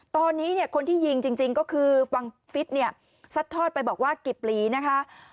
ตอนนี้เนี่ยคนที่ยิงจริงก็คือบังฟิศเนี่ยซัดทอดไปบอกว่ากิบหลีนะคะ